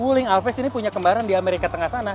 wuling alves ini punya kembaran di amerika tengah sana